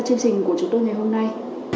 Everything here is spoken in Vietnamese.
chương trình của chúng tôi ngày hôm nay